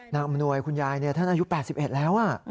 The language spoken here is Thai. อำนวยคุณยายท่านอายุ๘๑แล้ว